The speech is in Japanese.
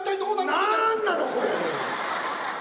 何なのこれ！